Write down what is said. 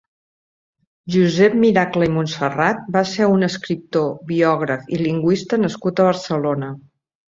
Josep Miracle i Montserrat va ser un escriptor, biògraf i lingüista nascut a Barcelona.